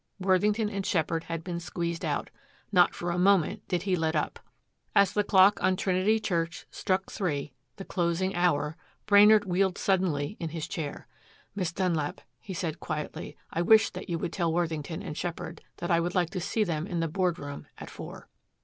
Worthington and Sheppard had been squeezed out. Not for a moment did he let up. As the clock on Trinity church struck three, the closing hour, Brainard wheeled suddenly in his chair. "Miss Dunlap," he said quietly. "I wish that you would tell Worthington and Sheppard that I should like to see them in the board room at four."